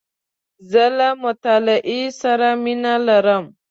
زه له مطالعې سره مینه لرم .